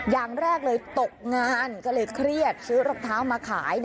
อย่างแรกเลยตกงานก็เลยเครียดซื้อรองเท้ามาขาย